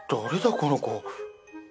この子。